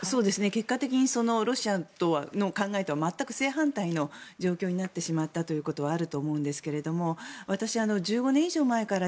結果的にロシアの考えとは全く正反対の状況になってしまったということはあると思うんですが私、１５年以上前から